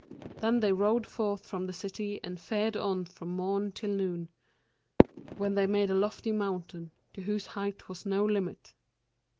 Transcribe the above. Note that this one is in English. Then they rode forth from the city and fared on from morn till noon, when they made a lofty mountain, to whose height was no limit.